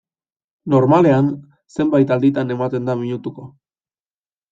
Normalean zenbait alditan ematen da minutuko.